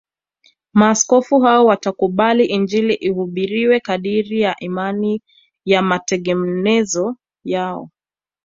Maaskofu hao watakubali Injili ihubiriwe kadiri ya imani ya matengenezo yao